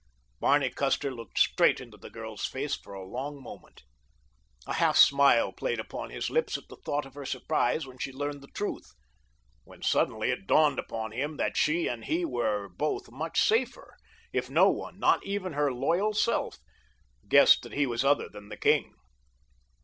Barney Custer looked straight into the girl's face for a long moment. A half smile played upon his lips at the thought of her surprise when she learned the truth, when suddenly it dawned upon him that she and he were both much safer if no one, not even her loyal self, guessed that he was other than the king.